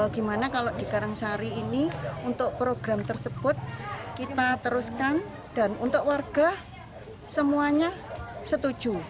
gimana kalau di karangsari ini untuk program tersebut kita teruskan dan untuk warga semuanya setuju